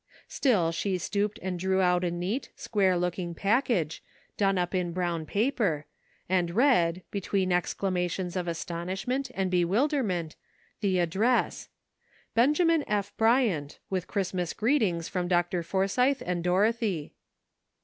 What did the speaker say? Still, she stooped and drew out a neat, square looking package, done up in brown paper, and read, between excla mations of astonishment and bewilderment, the address :*' Benjamin F. Bryant, with Christmas greetings from Dr. Forsythe and Dorothy."